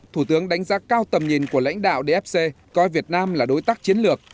thủ tướng đánh giá cao tầm nhìn của lãnh đạo dfc coi việt nam là đối tác chiến lược